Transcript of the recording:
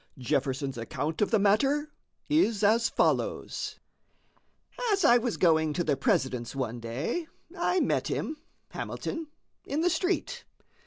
Jefferson's account of the matter is as follows: "As I was going to the President's one day, I met him (Hamilton) in the street.